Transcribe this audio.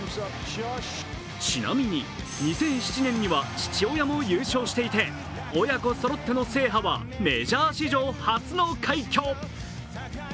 ちなみに２００７年には父親も優勝していて親子そろっての制覇はメジャー史上初の快挙。